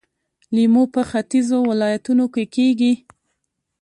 لیمو په ختیځو ولایتونو کې کیږي.